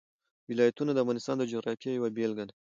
ولایتونه د افغانستان د جغرافیې یوه بېلګه ده.